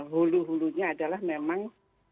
hulu hulunya adalah memang